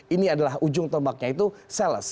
ini adalah ujung tombaknya itu sales